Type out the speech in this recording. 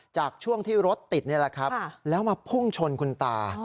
ช่วงที่รถติดนี่แหละครับแล้วมาพุ่งชนคุณตา